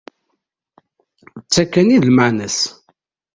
D ta kan i d lmeεna-s.